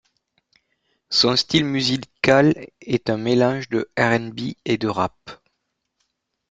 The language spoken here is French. Son style musical est un mélange de RnB et de Rap.